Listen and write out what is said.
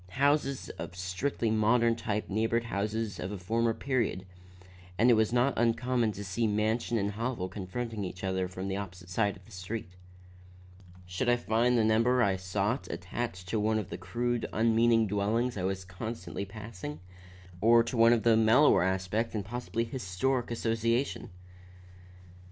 Houses of strictly modern type neighbored those of a former period, and it was not uncommon to see mansion and hovel confronting each other from the opposite side of the street. Should I find the number I sought attached to one of the crude, unmeaning dwellings I was constantly passing, or to one of mellower aspect and possibly historic association?